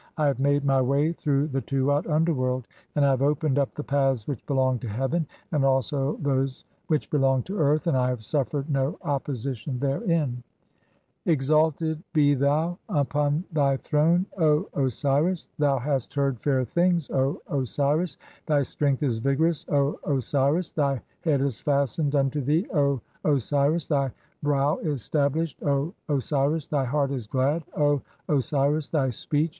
I have made "my way through thy Tuat (underworld), and I have opened "up the paths which belong to heaven and also those which "belong to earth, and I have suffered no opposition therein. (50) 1 38 THE CHAPTERS OE COMING FORTH BY DAY. "Exalted [be thou] upon thy throne, O Osiris ! Thou hast heard "fair things, O Osiris ! Thy strength is vigorous, O Osiris. Thy "head is fastened unto thee, O Osiris. Thy brow is stablished, "(51) O Osiris. Thy heart is glad, [O Osiris]. Thy speech